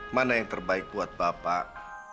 mana yang terbaik buat bapak